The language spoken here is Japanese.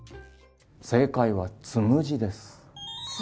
正解はつむじです。